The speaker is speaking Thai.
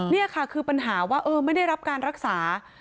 นี่ค่ะคือปัญหาว่าไม่ได้รับการรักษา